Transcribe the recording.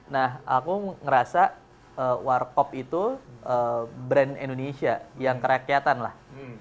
nah aku ngerasa warkop itu brand indonesia yang kerakyatan lah